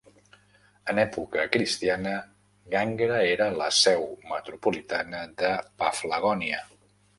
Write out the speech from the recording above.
En època cristiana, Gangra era la seu metropolitana de Paflagònia.